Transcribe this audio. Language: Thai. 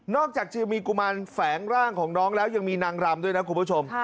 จากจะมีกุมารแฝงร่างของน้องแล้วยังมีนางรำด้วยนะคุณผู้ชม